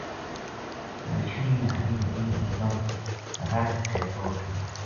رچھنی نے حاجی نزیر کی بانہہ رَڑک کے توڑ چھُڑی